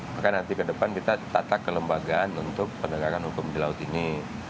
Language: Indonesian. maka nanti ke depan kita tata kelembagaan untuk penegakan hukum di laut ini